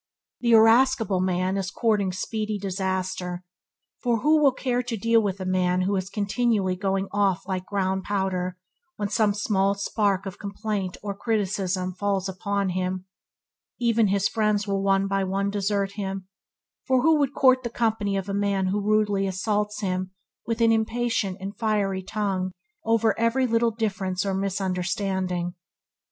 The irascible man is courting speedy disaster, for who will care to deal with a man who continually going off like ground powder when some small spark of complaint or criticism falls upon him! Even his friends will one by one desert him, for who would court the company of a man who rudely assaults him with an impatient and fiery tongue over every little difference or misunderstanding.